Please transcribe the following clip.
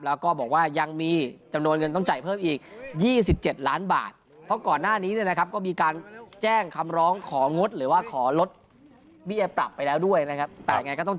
แล้วก็บอกว่ายังมีจำนวนเงินต้องจ่ายเพิ่มอีก๒๗ล้านบาท